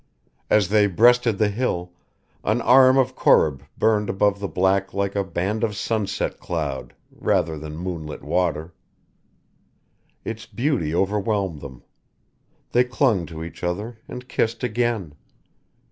As they breasted the hill, an arm of Corrib burned above the black like a band of sunset cloud, rather than moonlit water. Its beauty overwhelmed them. They clung to each other and kissed again.